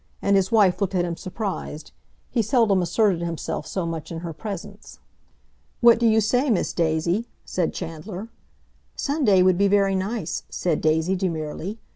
And his wife looked at him surprised; he seldom asserted himself so much in her presence. "What do you say, Miss Daisy?" said Chandler. "Sunday would be very nice," said Daisy demurely.